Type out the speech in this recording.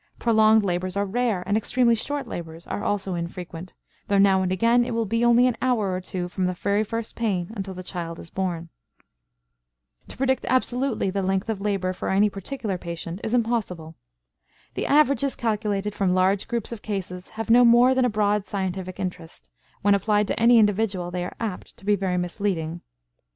Prolonged labors are rare; and extremely short labors are also infrequent, though now and again it will be only an hour or two from the very first pain until the child is born. To predict absolutely the length of labor for any particular patient is impossible. The averages calculated from large groups of cases have no more than a broad scientific interest; when applied to any individual they are apt to be very misleading.